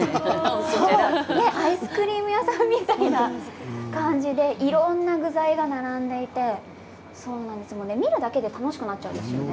アイスクリーム屋さんみたいな感じでいろいろな具材が並んでいて見るだけで楽しくなっちゃうんですよね。